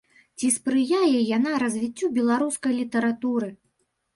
Ці спрыяе яна развіццю беларускай літаратуры?